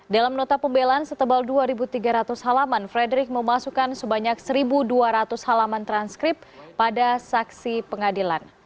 dalam nota pembelaan setebal dua tiga ratus halaman frederick memasukkan sebanyak satu dua ratus halaman transkrip pada saksi pengadilan